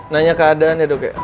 nanya keadaan ya dok